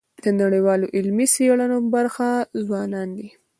د نړیوالو علمي څېړنو برخه ځوانان دي.